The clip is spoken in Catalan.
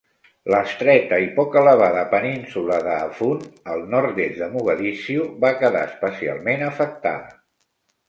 L'estreta i poc elevada península de Hafun, al nord-est de Mogadiscio, va quedar especialment afectada.